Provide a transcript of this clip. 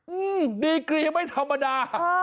อืมดีกรีไม่ธรรมดา